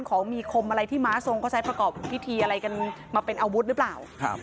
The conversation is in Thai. ของมีคมอะไรที่ม้าทรงเขาใช้ประกอบพิธีอะไรกันมาเป็นอาวุธหรือเปล่าครับ